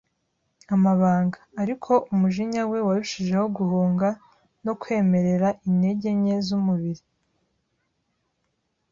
amabanga; ariko umujinya we warushijeho guhunga, no kwemerera intege nke z'umubiri,